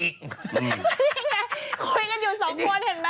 นี่ไงคุยกันอยู่สองคนเห็นไหม